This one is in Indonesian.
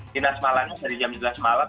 dinas malamnya dari jam dua belas malam